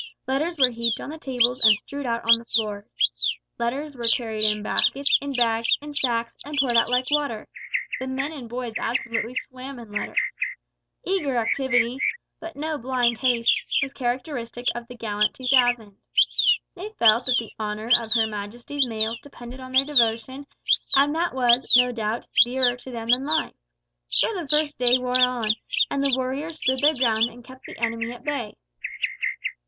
Letters were heaped on the tables and strewed on the floors. Letters were carried in baskets, in bags, in sacks, and poured out like water. The men and boys absolutely swam in letters. Eager activity but no blind haste was characteristic of the gallant two thousand. They felt that the honour of Her Majesty's mails depended on their devotion, and that was, no doubt, dearer to them than life! So the first day wore on, and the warriors stood their ground and kept the enemy at bay.